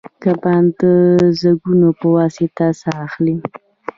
کبان د زګونو په واسطه ساه اخلي